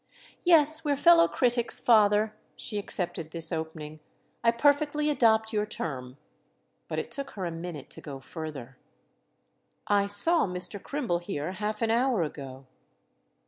"Yes, we're fellow critics, father"—she accepted this opening. "I perfectly adopt your term." But it took her a minute to go further. "I saw Mr. Crim ble here half an hour ago."